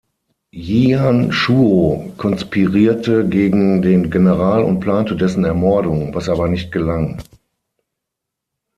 Jian Shuo konspirierte gegen den General und plante dessen Ermordung, was aber nicht gelang.